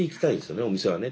お店はね。